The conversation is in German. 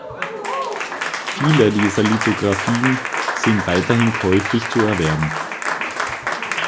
Viele dieser Lithographien sind weiterhin käuflich zu erwerben.